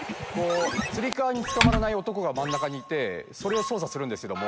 つり革につかまらない男が真ん中にいてそれを操作するんですけども。